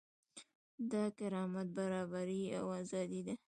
دا کرامت، برابري او ازادي ده.